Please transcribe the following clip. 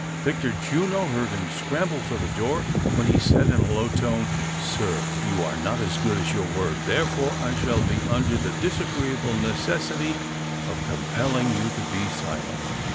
Victor Juno heard him scramble for the door, when he said, in a low tone :" Sir, you are not as good as your word, therefore I shall be under the disagreeable necessity of compelling you to be silent."